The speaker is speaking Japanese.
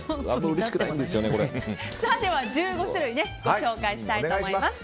では、１５種類ご紹介したいと思います。